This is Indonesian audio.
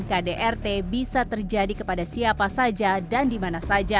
kdrt bisa terjadi kepada siapa saja dan dimana saja